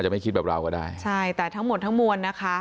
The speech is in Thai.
ไม่คิดแบบเราก็ได้ใช่แต่ทั้งหมดทั้งมวลนะคะ